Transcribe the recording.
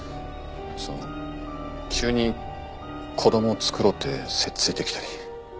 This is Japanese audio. その急に子供を作ろうってせっついてきたり。